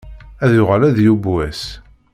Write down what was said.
Ad yuɣal ad yeww wass.